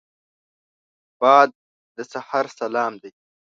باد د سحر سلام دی